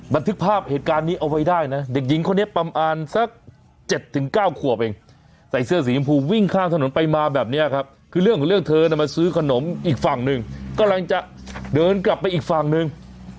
บันทึกภาพเหตุการณ์นี้เอาไว้ได้นะเด็กหญิงคนนี้ประมาณสัก๗๙ขวบเองใส่เสื้อสีชมพูวิ่งข้างถนนไปมาแบบนี้ครับคือเรื่องของเรื่องเธอน่ะมาซื้อขนมอีกฝั่งหนึ่งกำลังจะเดินกลับไปอีกฝั่งหนึ่ง